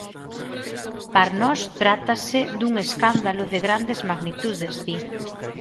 Par nós trátase dun escándalo de grandes magnitudes, di.